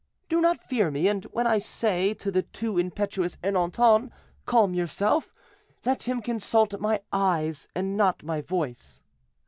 Do not fear me; and when I say to the too impetuous Ernanton, 'Calm yourself,' let him consult my eyes and not my voice."